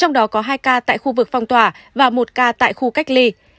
trong đó có hai ca tại khu vực phong tỏa và một ca tại khu cách ly